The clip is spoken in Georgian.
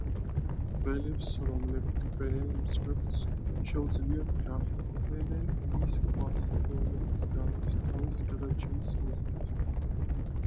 გველებს, რომლებიც კბენენ მსხვერპლს შეუძლიათ გაჰყვნენ მის კვალს, რომელიც გარბის თავის გადარჩენის მიზნით.